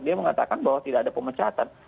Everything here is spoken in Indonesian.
dia mengatakan bahwa tidak ada pemecatan